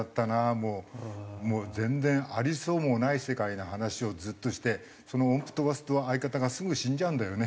もう全然ありそうもない世界の話をずっとして音符飛ばすと相方がすぐ死んじゃうんだよね。